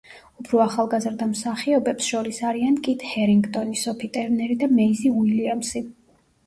უფრო ახალგაზრდა მსახიობებს შორის არიან კიტ ჰერინგტონი, სოფი ტერნერი და მეიზი უილიამსი.